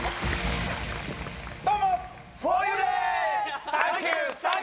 どうも！